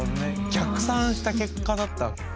逆算した結果だったんだ。